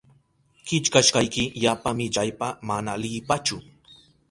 Killkashkayki yapa millaypa mana leyipachu.